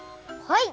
はい。